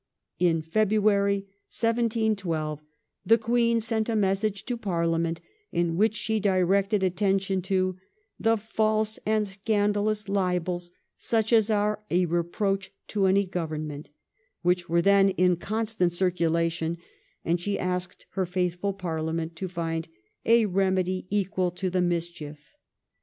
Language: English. In February 1712, the Queen sent a message to Parliament in which she directed attention to ' the false and scandalous libels such as are a reproach to any government ' which were then in constant circulation, and she asked her faithful Parliament to find ' a remedy equal to the mischief.'